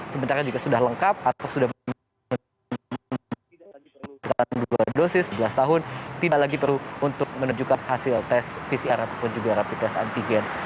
sementara jika sudah lengkap atau sudah diperlukan dua dosis sebelas tahun tidak lagi perlu untuk menunjukkan hasil tes pcr ataupun juga rapid test antigen